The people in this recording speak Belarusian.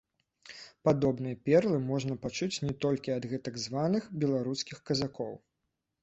Падобныя перлы можна пачуць не толькі ад гэтак званых беларускіх казакоў.